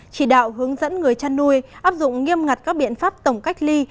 chỉ đạo hướng dẫn người chăn nuôi áp dụng nghiêm ngặt các biện pháp tổng cách ly